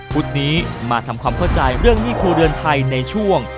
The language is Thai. พุทธนี้มาทำความเข้าใจเรื่องหนี้ครัวเรือนไทยในช่วง